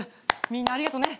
みんなありがとね。